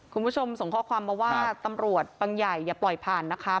คุณผู้ชมส่งข้อความมาว่าตำรวจบังใหญ่อย่าปล่อยผ่านนะคะ